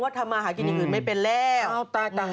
ว่าทำหากินอื่นไม่เป็นแล้ว